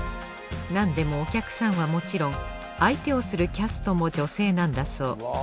なんでもお客さんはもちろん相手をするキャストも女性なんだそう。